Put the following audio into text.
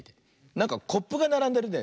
なんかコップがならんでるね。